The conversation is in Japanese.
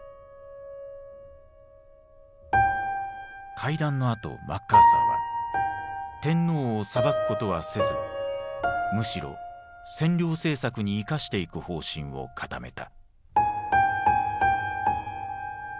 会談のあとマッカーサーは天皇を裁くことはせずむしろ占領政策に生かしていく方針を固めた。